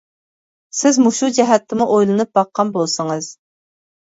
سىز مۇشۇ جەھەتتىنمۇ ئويلىنىپ باققان بولسىڭىز.